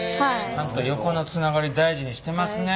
ちゃんと横のつながり大事にしてますね。